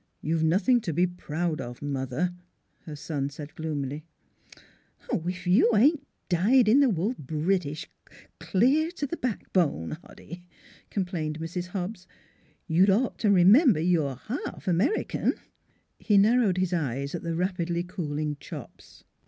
" You've nothing to be proud of, mother," her son said gloomily. " If you ain't dyed in the wool British, clear to the backbone, Hoddy!" complained Mrs. Hobbs. " You'd ought to remember you're half American." He narrowed his eyes at the rapidly cooling chops.